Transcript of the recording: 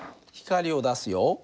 光を出すよ。